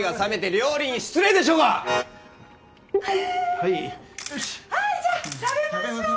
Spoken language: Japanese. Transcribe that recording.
はいよしはいじゃあ食べましょう！